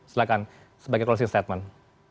silahkan sebagai closing statement